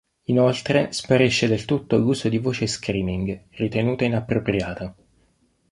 Inoltre sparisce del tutto l'uso di voce screaming, ritenuta inappropriata.